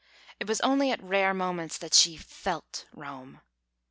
It was only at rare moments that she felt Rome.